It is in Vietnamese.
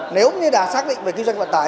nếu như là xác định về kinh doanh vận tải